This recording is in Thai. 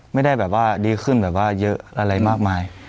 ไม่ได้แบบว่าดีขึ้นแบบว่าเยอะอะไรมากมาย